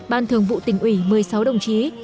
ban thường vụ tỉnh ủy một mươi sáu đồng chí